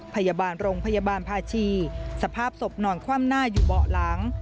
พยาบาลโรงพยาบาลภาชีสภาพศพนอนคว่ำหน้าอยู่เบาะหลัง